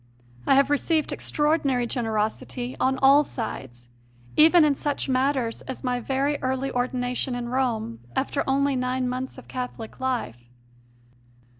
I have received extraordinary generosity on all sides, even in such matters as my very early ordination in Rome after only nine months of Catholic life.